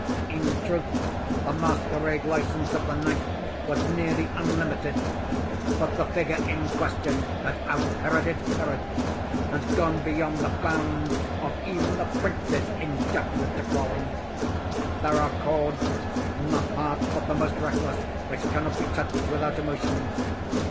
In truth the masquerade license of the night was nearly unlimited; but the figure in question had out Heroded Herod, and gone beyond the bounds of even the prince's indefinite decorum. There are chords in the hearts of the most reckless which cannot be touched without emotion.